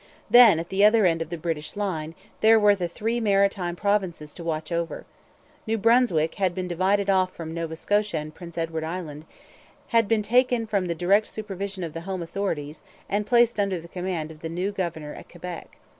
Then, at the other end of the British line, there were the three maritime provinces to watch over. New Brunswick had been divided off from Nova Scotia and Prince Edward Island had been taken from the direct supervision of the home authorities and placed under the command of the new governor at Quebec.